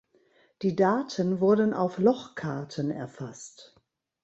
Die Daten wurden auf Lochkarten erfasst.